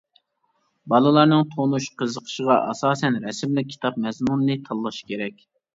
بالىلارنىڭ تونۇش، قىزىقىشىغا ئاساسەن رەسىملىك كىتاب مەزمۇنىنى تاللاش كېرەك.